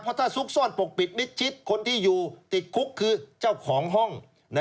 เพราะถ้าซุกซ่อนปกปิดมิดชิดคนที่อยู่ติดคุกคือเจ้าของห้อง